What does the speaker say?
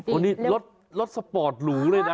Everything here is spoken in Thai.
วันนี้รถสปอร์ตหรูเลยนะ